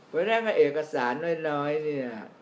เพราะฉะนั้นเอกสารน้อยเนี่ย